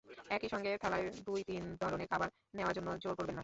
একই সঙ্গে থালায় দুই-তিন ধরনের খাবার নেওয়ার জন্য জোর করবেন না।